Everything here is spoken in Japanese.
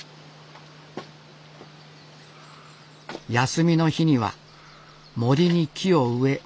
休みの日には森に木を植え